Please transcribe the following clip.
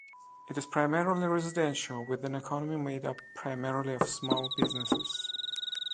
It is primarily residential, with an economy made up primarily of small businesses.